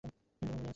আমার এটা মনে আছে!